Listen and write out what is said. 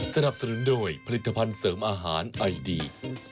สนับสนุนโดยผลิตภัณฑ์เสริมอาหารไอดี